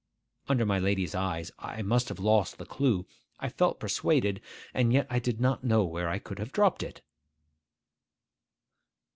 Under my lady's eyes I must have lost the clue, I felt persuaded; and yet I did not know where I could have dropped it.